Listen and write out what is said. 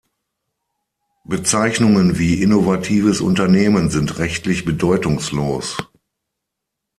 Bezeichnungen wie „innovatives Unternehmen“ sind rechtlich bedeutungslos.